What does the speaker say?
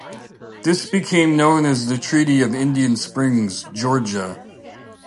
This became known as the Treaty of Indian Springs, Georgia.